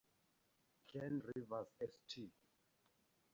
Glen Rovers–St.